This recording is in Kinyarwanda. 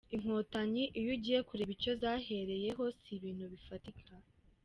Inkotanyi iyo ugiye kureba icyo zahereyeho, si ibintu bifatika.